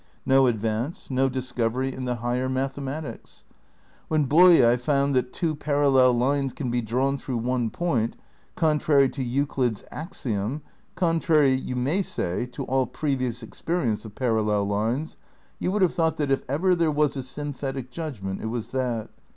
No advance, no discovery in the higher ma, thematics. "When Bolyai found that two parallel lines can be drawn through one point, con trary to Euclid's axiom (contrary, you may say, to all previous experience of parallel Hues), you would have thought that if ever there was a synthetic judgment it was that.